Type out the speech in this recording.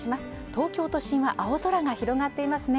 東京都心は青空が広がっていますね。